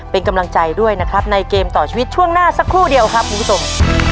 เป็นกำลังใจด้วยนะครับในเกมต่อชีวิตช่วงหน้าสักครู่เดียวครับคุณผู้ชม